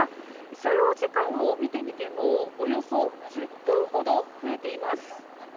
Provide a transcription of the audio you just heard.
所要時間を見てみてもおよそ１０分ほど増えています。